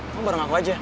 kamu bareng aku aja